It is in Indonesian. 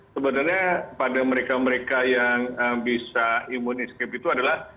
sebenarnya pada mereka mereka yang bisa imun escape itu adalah